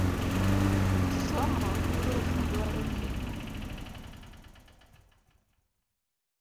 Somo midusa duaro kinda?